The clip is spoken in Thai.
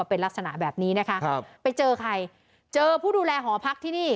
เป็นลักษณะแบบนี้นะคะครับไปเจอใครเจอผู้ดูแลหอพักที่นี่